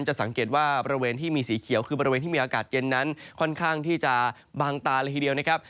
จะสังเกตว่าบริเวณที่มีสีเขียวคือบริเวณที่มีอากาศเย็นนั้นค่อนข้างที่จะบางตาเลยทีเดียวนะครับ